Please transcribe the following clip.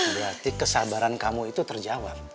berarti kesabaran kamu itu terjawab